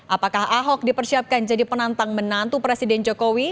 apakah ahok dipersiapkan jadi penantang menantu presiden jokowi